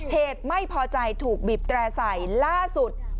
เหตุไม่พอใจถูกบีบแตร่ใส่ล่าสุด